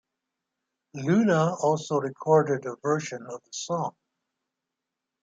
Loona also recorded a version of the song.